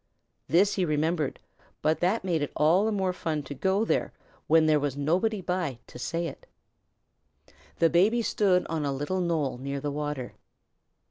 This he remembered, but that made it seem all the more fun to go there when there was nobody by to say it. The Baby stood on a little knoll near the water.